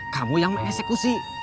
kamu yang me eksekusi